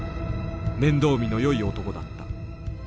面倒見のよい男だった。